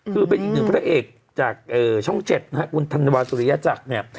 คือเป็นอีกหนึ่งพระเอกจากช่อง๗นะฮะคุณธันวาสุริยจักรเนี่ย